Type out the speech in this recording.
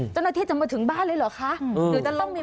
เจ้าหน้าที่จะมาถึงบ้านเลยเหรอคะหรือจะลงไปพี่กายยังไง